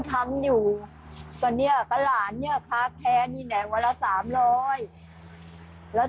ทำอยู่ตอนเนี่ยก็หลานเนี่ยค้าแพ้นี่เนี่ยวันละสามร้อยแล้ว